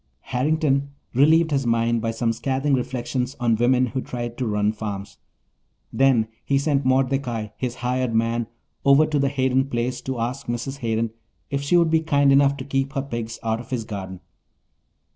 Harrington relieved his mind by some scathing reflections on women who tried to run farms. Then he sent Mordecai, his hired man, over to the Hayden place to ask Mrs. Hayden if she would be kind enough to keep her pigs out of his garden.